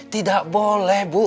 tidak boleh bu